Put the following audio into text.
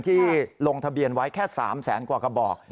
ลงทะเบียนไว้แค่๓แสนกว่ากระบอก